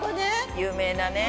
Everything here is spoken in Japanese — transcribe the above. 有名なね。